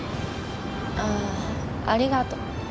ああ。ありがと。